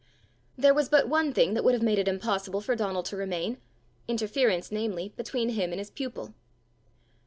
There was but one thing would have made it impossible for Donal to remain interference, namely, between him and his pupil.